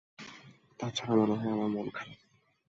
তাছাড়া, মনে হয় আমার মন খারাপ।